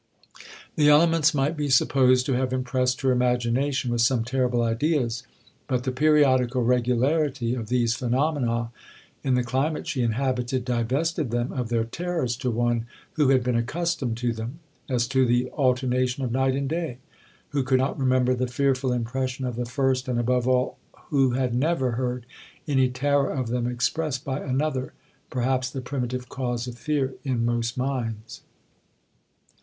The elements might be supposed to have impressed her imagination with some terrible ideas; but the periodical regularity of these phoenomena, in the climate she inhabited, divested them of their terrors to one who had been accustomed to them, as to the alternation of night and day—who could not remember the fearful impression of the first, and, above, all, who had never heard any terror of them expressed by another,—perhaps the primitive cause of fear in most minds.